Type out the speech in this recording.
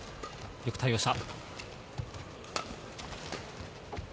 よく対応した。